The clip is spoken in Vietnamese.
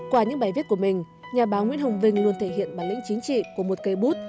qua những bài viết của mình nhà báo nguyễn hồng vinh luôn thể hiện bản lĩnh chính trị của một cây bút